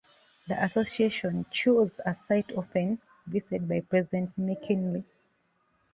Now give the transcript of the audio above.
The Association chose a site often visited by President McKinley.